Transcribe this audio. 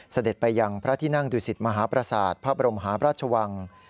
สะดดไปยังพระที่นั่งดุสิตมหาปราศาสตร์พระบรมหาบรรชวัง